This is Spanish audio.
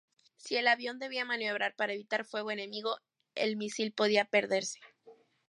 Si el avión debía maniobrar para evitar fuego enemigo, el misil podía perderse.